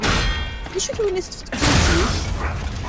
D acu-t winna i teṭṭfeḍ deg ufus-ik?